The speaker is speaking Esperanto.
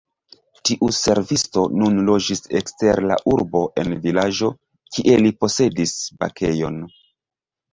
Tiu servisto nun loĝis ekster la urbo en vilaĝo, kie li posedis bakejon.